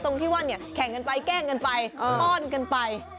ตรงที่ว่าแข่งกันไปแกล้งกันไปต้อนกันไป